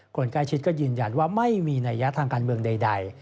คนใกล้ชิดก็ยืนยันว่าไม่มีนัยยะทางการเมืองใด